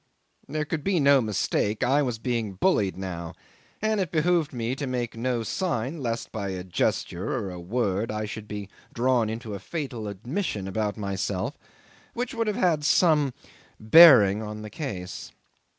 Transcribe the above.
There could be no mistake: I was being bullied now, and it behoved me to make no sign lest by a gesture or a word I should be drawn into a fatal admission about myself which would have had some bearing on the case.